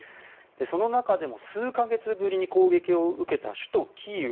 その中でも数か月ぶりに攻撃を受けた首都キーウ。